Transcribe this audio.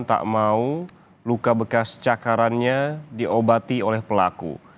tak mau luka bekas cakarannya diobati oleh pelaku